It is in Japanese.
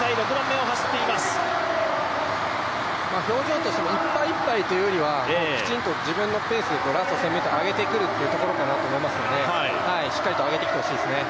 表情としてもいっぱいっぱいというよりは、きちんと自分のペースでラスト、攻めてあげてくると思いますからしっかりとあげてきてほしいですね。